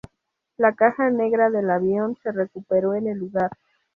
La caja negra del avión se recuperó en el lugar.